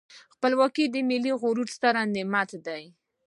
خپلواکي د ملي غرور ستر نعمت دی.